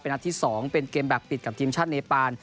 นัดที่๒เป็นเกมแบบปิดกับทีมชาติเนปาน